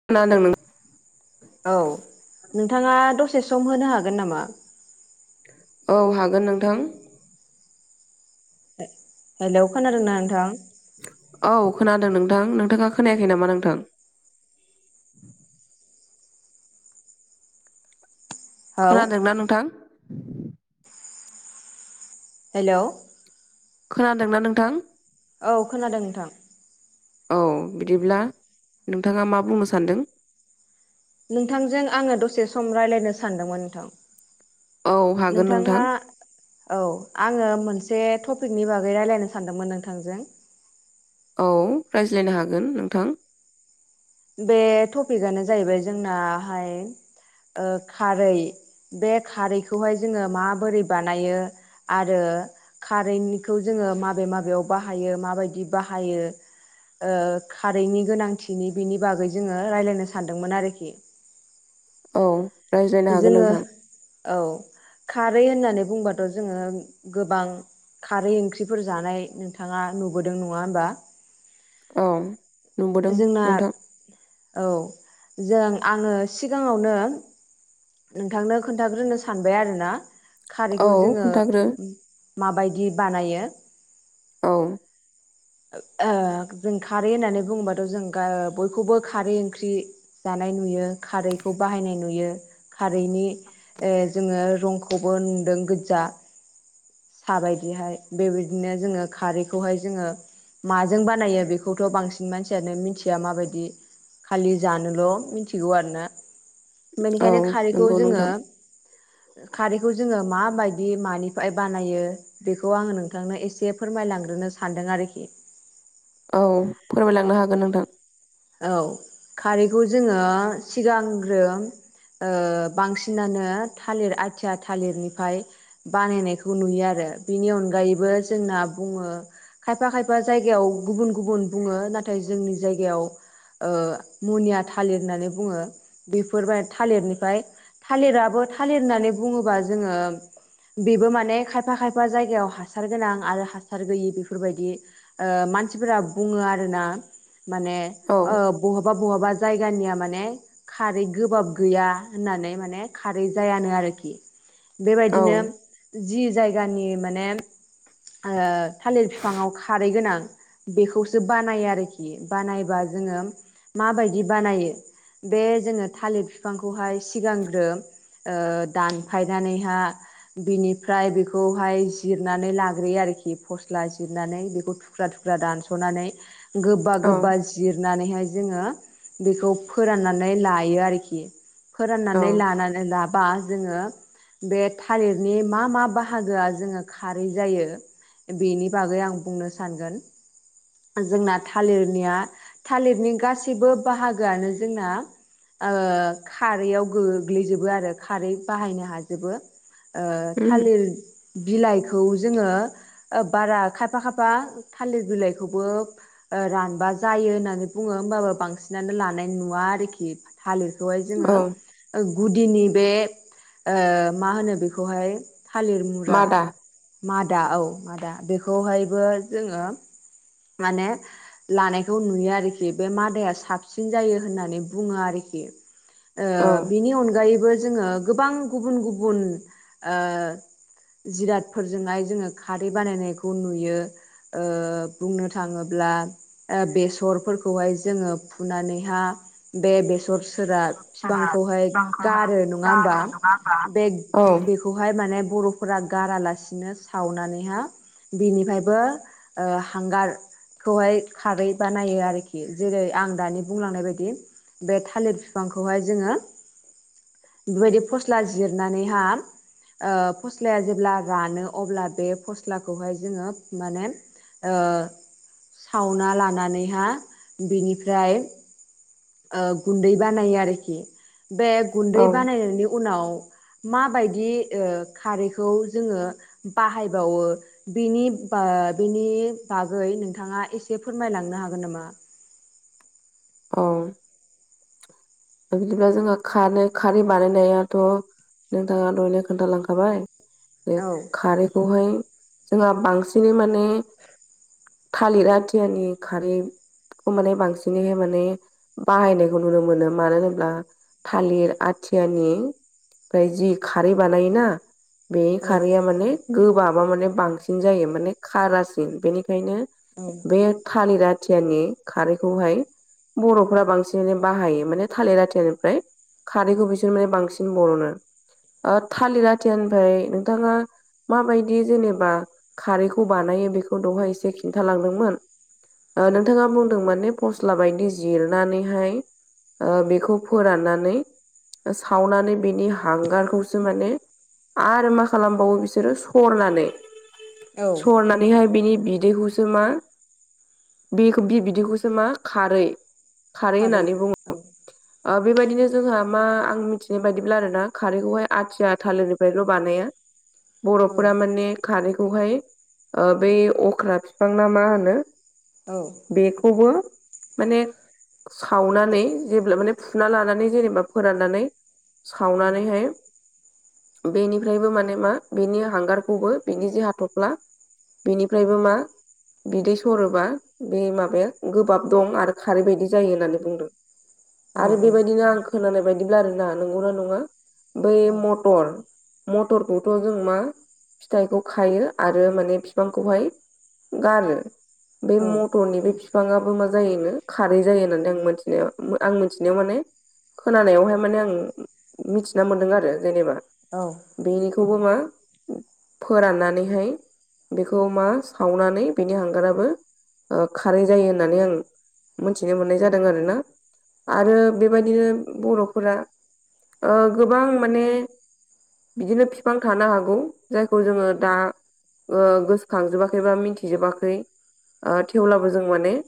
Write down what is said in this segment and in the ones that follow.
[unintelligible] औ नोंथाङा दसे सम होनो हागोन नामा। औ हागोन नोंथां। हेलौ खोनादोंना नोंथां। औ खोनादों नोंथां नोंथाङा खोनायाखै नामा नोंथां। औ खोनादोंना नोंथां। हेलौ। खोनादोंना नोंथां? औ खोनादों नोंथां। औ बिदिब्ला नोंथाङा मा बुंनो सानदों। नोंथांजों आङो दसे सम रायज्लायनो सानदोंमोन नोंथां। औ हागोन नोंथाङा। नोंथां औ आङो मोनसे टपिकनि बागै राय्लायनो सानदोंमोन नोंथांजों औ रायज्लायनो हागोन नोंथां। बे टपिकआनो जाहैबाय जोंनाहाय खारै बे खारैखौहाय जोङो माबोरै बानायो आरो। कारेन्टखौ जोङो माबे माबेयाव बाहायो माबायदि बाहायो। खारैनि गोनांथिनि बिनि बागै जोङो रायजलायनो सानदोंमोन आरोखि औ। रायज्लायनो हागोन जोङो नोंथां औ खारै होननानै बुंबाथ' जोङो गोबां खारै ओंख्रिफोर जानाय नोंथाङा नुबोदों नङा होमबा? औ। नुबोदों जोंना नोंथां औ जों आङो सिगाङावनो नोंथांनो खोन्थाग्रोनो सानबाय आरो ना खारैखौ औ जोङो खोन्थाग्रो माबायदि बानायो औ जों खारै होननानै बुङोबाथ' जों बयखौबो खारै ओंख्रि जानाय नुयो खारैखौ बाहायनाय नुयो खारैनि ओ जोङो रंखौबो नुदों गोजा साबायदिहाय बेबायदिनो जोङो खारैखौहाय जोङो माजों बानायो बेखौथ' बांसिन मानसियानो मिथिया माबायदि खालि जानोल' मिथिगौ आरोना औ बेनिखायनो खारैखौ नंगौ जोङो नोंथां खारैखौ जोङो माबायदि मानिफ्राय बानायो बेखौ आङो नोंथांनो एसे फोरमायलांग्रोनो सानदों आरोखि औ फोरमायलांनो हागोन नोंथां औ खारैखौ जोङो सिगांग्रो ओ बांसिनानो थालिर आथिया थालिरनिफ्राय बानायनायखौ नुयो आरो बेनि अनगायैबो जोंना बुङो खायफा खायफा जायगायाव गुबुन गुबुन बुङो नाथाय जोंनि जायगायाव ओ मुनिया थालिर होननानै बुङो बेफोरबाय थालिरनिफ्राय थालिराबो थालिर होननानै बुङोबा जोङो बेबो माने खायफा खायफा जायगायाव हासार गोनां आरो हासार गैयि बेफोरबायदि ओ मानसिफोरा बुङो आरोना माने औ ओ बहाबा बहाबा जायगानिया माने खारै गोबाब गैया होननानै माने खारै जायानो आरोखि औ बेबायदिनो जि जायगानि माने ओ थालिर बिफांडाव खारै गोनां बेखौसो बानायो आरोखि बानायबा जोङो माबायदि बानायो बे जोङो थालिर बिफांखौहाय सिगांग्रो ओ दानफायनानैहा बिनिफ्राय बेखौहाय जिरनानै लाग्रोयो आरोखि फस्ला जिरनानै बेखौ थुख्रा थुख्रा दानस'नानै गोबा औ गोबा जिरनानैहाय जोङो बेखौ फोराननानै लायो आरोखि औ फोरनानै लानानै लाबा जोङो बे थालिरनि मा मा बाहागोआ जोङो खारै जायो बेनि बागै आं बुंनो सानगोन जोंना थालिरनिया थालिरनि गासैबो बाहागोआनो जोंना ओ खारैयाव गोग्लैजोबो आरो खारै बाहायनो हाजोबो ओ उम थालिर बिलाइखौ जोङो बारा खायफा खायफा थालिर बिलाइखौबो ओ रानबा जायो होनना होननानै बुङो होमबाबो बांसिनानो लानाय नुवा आरोखि थालिरखौहाय जोङो औ ओ गुदिनि बे ओ मा होनो बेखौहाय थालिर मुरा मादा मादा औ मादा बेखौहायबो जोङो माने लानायखौ नुयो आरो आरोखि बे मादाया साबसिन जायो होननानै बुङो आरोखि औ ओ बिनि अनगायैबो जोङो गोबां गुबुन गुबुन ओ जिरादफोरजोंहाय जोङो खारै बानायनायखौ नुयो ओ बुंनो थाङोब्ला ओ बेसर फोरखौहाय जोङो फुनानैहा बे बेसर सोरा बिफांखौहाय गांखौहाय गारो नङा होमबा गारो नङा बे औ बेखौ खौहाय माने बर'फोरा गारालासिनो सावनानैहा बिनिफायबो ओ हांगारखौहाय खारै बानायो आरोखि खि जेरै आं दानि बुंलांनाय बायदि बे थालिर बिफांखौहाय जोङो बेफोरबायदि फस्ला जिरनानैहा ओ फस्लाया जेब्ला रानो अब्ला बे फस्लाखौहाय जोङो माने ओ सावना लानानैहा बिनिफ्राय ओ गुन्दै बानायो आरोखि बे औ गुन्दै बानायनायनि उनाव माबायदि ओ खारैखौ जोङो बाहायबावो बेनि बा बेनि बागै नोंथाङा एसे फोरमायलांनो हागोन नामा औ दा बिदिब्ला जोंहा खारनो खारै बानायनायाथ' नोंथाङा दहायनो खोन्थालांखाबाय बे औ खारैखौहाय जोंहा बांसिनै माने थालिर आथियानि खारैखौ माने बांसिनै हाय माने नै बाहायनायखौ नुनो मोनो मानो होनोब्ला थालिर आथियानि फ्राय जि खारै बानायोना बे औ खारैया माने गोबाबा माने बांसिन जायो माने खारासिन बेनिखायनो औ बे थालिर आथियानि खारैखौहाय बर'फ्रा बांसिनै बाहायो माने थालिर आथियानिफ्राय खारैखौ बिसोर माने बांसिन बर'नो ओ थालिर आथियानिफ्राय नोंथाङा माबायदि जेनेबा खारैखौ बानायो बेखौ दहाय एसे खिन्थालांदोंमोन ओ औ नोंथाङा बुंदों माने फस्ला बायदि जिरनानैहाय बेखौ ओ फोराननानै ओ सावनानै बिनि हांगारखौसो माने आरो मा खालामबावो बिसोरो सरनानै औ सरनानैहाय बिनि बिदैखौ बिसोर मा बेखौ बे बिदैखौसो मा खारै खारै होननानै बुङो औ ओ बेबायदिनो जोंहा मा आं मिथिनाय बादिब्ला आरो ना खारैखौहाय आथिया थालिरनिफ्रायल' बानाया बर'फोरा औ माने खारैखौहाय ओ बै अख्रा फिफां ना मा होनो औ बेखौबो माने सावनानै जेब्ला माने फुना लानानै जेनेबा फोराननानै औ सावनानैहाय बेनिफ्रायबो माने मा बेनि हांगारखौबो बिनि जे हाथ'फ्ला बेनिफ्रायबो मा बिदै सरोबा बे माबाया गोबाब दं आरो खारै बायदि जायो होननानै बुंदों औ आरो बेबायदिनो आं खोनानाय बायदिब्ला आरोना नंगौना नङा बै औ मथर मथरखौथ' जों मा फिथाइखौ खायो आरो माने बिफांखौहाय गारो बे मथरनि बे बिफाङाबो मा जायोनो खारै जायो होननानै आं मिथिनायाव आं मिथिनायाव माने खोनानायावहाय माने आं मिथिना मोनदों आरो जेनेबा औ बेनिखौबो मा फोराननानैहाय बेखौ मा सावनानै बिनि हांगाराबो खारै जायो होननानै आं मोनथिनो मोननाय जादों आरो ना औ आरो बेबायदिनो बर'फोरा गोबां माने बिदिनो बिफां थानो हागौ जायखौ जोङो दा गोसोखांजोबाखै बा मिथिजोबाखै थेवब्लाबो जों माने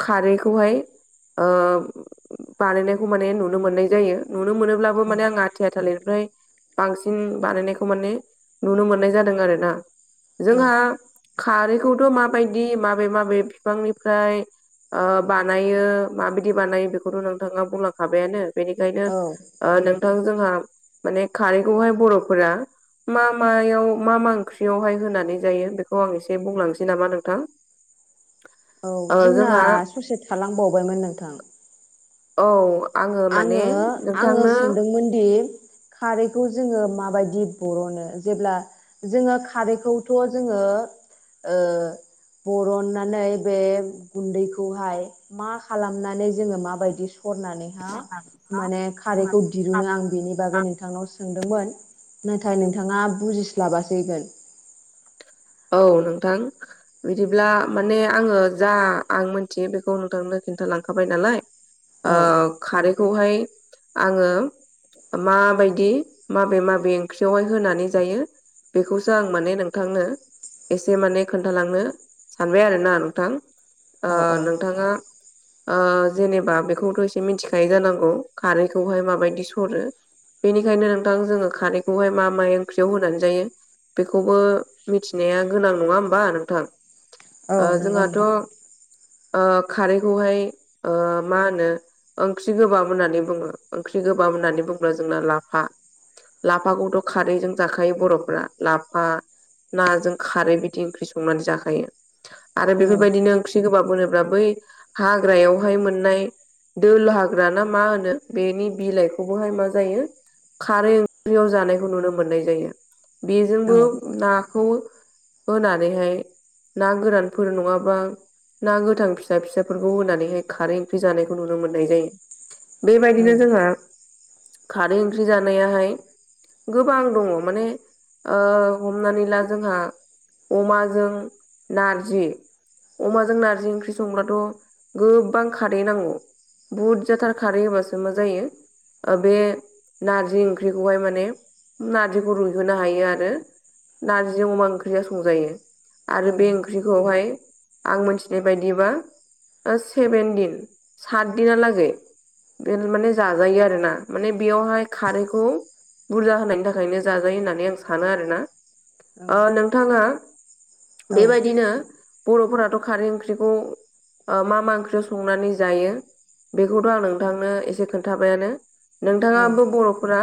खारैखौहाय बानायनायखौ माने नुनो मोननाय जायो नुनो मोनोब्लाबो माने आंहा आाथिया थालिरनिफ्राय बांसिन बानायनायखौ माने नुनो मोननाय जादों आर ना जोंहा खारैखौथ' माबायदि माबे माबे बिफांनिफ्राय बानायो माबायदि बानायो बेखौथ' नोंथाङा बुंलांखाबायानो बेनिखायनो औ ओ नोंथां जोंहा माने खारैखौहाय बर'फोरा मा मायाव मा मा ओंख्रियावहाय होनानै जायो बेखौ आं एसे बुंलांनोसै नामा नोंथां औ ओ जोंना जोंहा ससे थालांबावबायमोन नोंथां औ आङो माने आङो आङो नोंथांनो सोंदोंमोन दि खारैखौ जोङो माबायदि बर'नो जेब्ला जोङो खारैखौथ' जोङो ओ बरननानै बे गुन्दैखौहाय मा खालामनानै जोङो माबायदि सरनानै माने खारैखौ दिरुनो आं बेनि बागै नोंथांनाव सोंदोंमोन नाथाय नोंथाङा बुजिस्लाबासैगोन औ नोंथां बिदिब्ला माने आङो जा आं मिथियो बेखौ नोंथांनो खिन्थालांखाबाय नालाय औ खारैखौहाय आङो माबायदि माबे माबे ओंख्रियावहाय होनानै जायो बेखौसो आं माने नोंथांनो एसे माने खोन्थालांनो सानबाय आरोना नोंथां औ ओ औ नोंथाङा ओ जेनेबा बेखौथ' एसे मिथिखायो जानांगौ खारैखौहाय माबायदि सरो बेनिखायनो नोंथां जोङो खारैखौहाय मा मा ओंख्रियाव होनानै जायो बेखौबो नाया गोनां नङा होमबा नोंथां औ नंगौ जोंहाथ' ओ नोंथां खारैखौहाय ओ मा होनो ओंख्रि गोबाब होननानै बुङो ओंख्रि गोबाब होननानै बुंब्ला जोंना लाफा लाफाखौथ' खारैजों जाखायो बर'फ्रा लाफा नाजों खारै बिदि ओंख्रि संनानै जाखायो आरो औ बेफोरबायदिनो ओंख्रि गोबाब होनोब्ला बै हाग्रायावहाय मोननाय दोल हाग्राना मा होनो बेनि बिलाइखौबोहाय मा जायो खारै ओंख्रियाव जानायखौ नुनो मोननाय जायो औ बेजोंबो ना खौ होनानैहाय ना गोरानफोर नङाबा ना गोथां फिसा फिसाफोरखौ होनानैहाय खारै ओंख्रि जानायखौ नुनो मोननाय जायो औ बेबायदिनो जोंहा खारै ओंख्रि जानायाहाय गोबां दङ माने ओ हमनानै ला जोंहा अमाजों नारजि अमाजों नारजि ओंख्रि संब्लाथ' गोबां खारै नांगौ बुहुद जाथार खारै होबासो मा जायो बे नारजि ओंख्रिखौहाय माने नार्जिखौ रुइहोनो हायो आरो नारजिजों अमा ओंख्रिया संजायो आरो बे ओंख्रि खौहाय आं मिथिनाय बायदिबा सेभेन दिन सात दिना लागै बे माने जाजायो आरो ना माने बेयावहाय खारैखौ बुरजा होनायनि थाखायनो जाजायो होननानै आं सानो आरो ना नोंथाङा औ बेबायदिनो बर'फोराथ' खारै ओंख्रिखौ मा मा ओंख्रियाव संनानै जायो बेखौथ' आं नोंथांनो एसे खोन्थाबायानो नोंथाङाबो बर'फोरा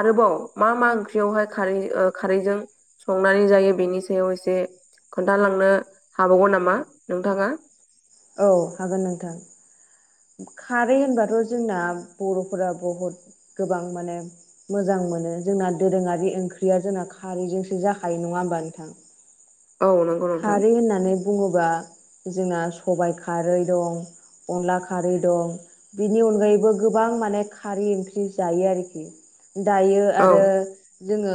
आरोबाव मा मा ओंख्रियावहाय खारै खारैजों संनानै जायो बेनि सायाव एसे खोन्थालांनो हाबावगों नामा नोंथाङा औ हागोन नोंथां खारै होनबाथ' जोंना बर'फोरा बहुद गोबां माने मोजां मोनो जोंना दोरोंङारि ओंख्रिया जोंना खारैजोंसो जाखायो नङा होमबा नोंथां [inaudible] नंगौ नोंथां खारै होननानै बुङोबा जोंना सबाइ खारै दं अनला खारै दं बिनि अनगायैबो गोबां माने खारै ओंख्रि जायो आरोखि दायो औ आरो जोंङो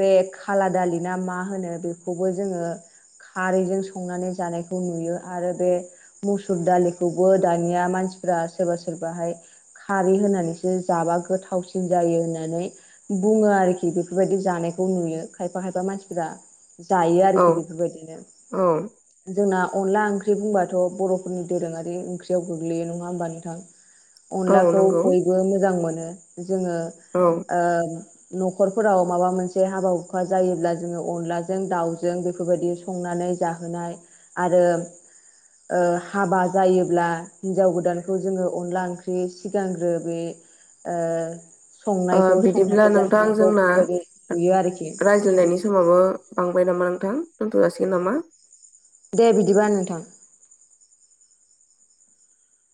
बे खाला दालि ना मा होनो बेखौबो जोंङो खारैजों संनानै जानायखौ नुयो आरो बे मुसुर दालिखौबो दानिया मानसिफ्रा सोरबा सोरबाहाय खारै होनानैसो जाबा गोथावसिन जायो होननानै बुङो आरोखि बेफोरबायदि जानायखौ नुयो खायफा खायफा मानसिफोरा जायो औ आरोखि बेफोरबायदिनो औ जोंना अनला ओंख्रि बुंबाथ' बर'फोरनि दोरोंङारि ओंख्रि याव गोग्लैयो नंङा होमबा नोंथां औ अनलाखौ नंगौ बयबो मोजां मोनो जोंङो औ ओ न'खरफोराव माबा मोनसे हाबा हुखा जायोब्ला जोंङो अनलाजों दाउजों बेफोरबायदि संनानै जाहोनाय आरो हाबा जायोब्ला हिनजाव गोदानखौ जोङो अनला ओंख्रि सिगांग्रो बे ओ संनायखौ बिदिब्ला संनानै नोंथां जाहोनायखौ बेफोरबायदि नुयो आरोखि दोननायनि समावबो बांबाय नामा नोंथां दोनथ' जासिगोन नामा दे बिदिबा नोंथां